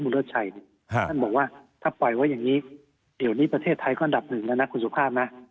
คุณสุภาคบะหวะว่าถ้าปล่อยอย่างนี้เดี๋ยวนี้ประเทศไทยอันดับหนึ่งครับคุณสุภาบนะ